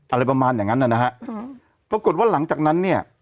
อะไรประมาณอย่างนั้นนะฮะอืมปรากฏว่าหลังจากนั้นเนี่ย